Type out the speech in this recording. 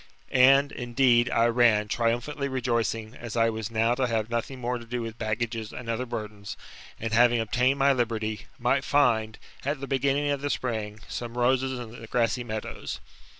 And, indeed, I ran, triumphantly rejoicing, as I was now to have nothing more to do with baggages and other burdens, and, having obtained my liberty, might find, at the beginning of the spring, some roses in the grassy meadows.